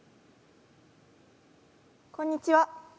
こんにちは。